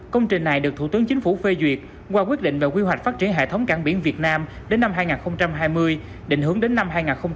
công trình này được thủ tướng chính phủ phê duyệt qua quyết định về quy hoạch phát triển hệ thống cảng biển việt nam đến năm hai nghìn hai mươi định hướng đến năm hai nghìn ba mươi